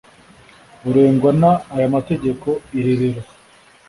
ugengwa n aya mategeko IRERERO